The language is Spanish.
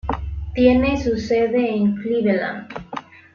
Tiene su sede en Cleveland.